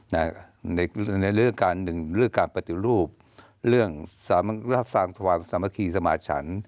ในเรื่องหนึ่งเรื่องการปฏิรูปเรื่องสามัคคีสมาชัน